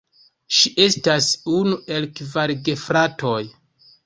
Ŝi estas unu el kvar gefratoj.